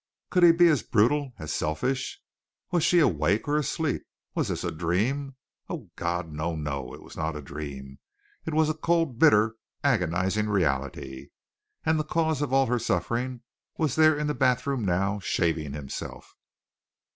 Could he be as brutal, as selfish? Was she awake or asleep? Was this a dream? Ah, God! no, no it was not a dream. It was a cold, bitter, agonizing reality. And the cause of all her suffering was there in the bathroom now shaving himself.